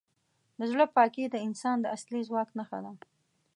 د زړه پاکي د انسان د اصلي ځواک نښه ده.